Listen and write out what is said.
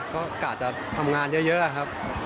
ก็กะจะทำงานเยอะครับ